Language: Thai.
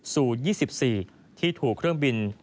สู่๒๔ที่ถูกเครื่องบิน